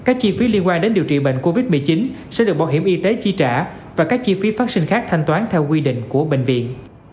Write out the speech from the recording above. các chi phí liên quan đến điều trị bệnh covid một mươi chín sẽ được bảo hiểm y tế chi trả và các chi phí phát sinh khác thanh toán theo quy định của bệnh viện